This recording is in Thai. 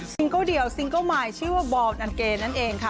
เกิ้ลเดียวซิงเกิ้ลใหม่ชื่อว่าบอลอันเกนั่นเองค่ะ